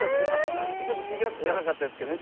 ちょっと気が付かなかったですけども。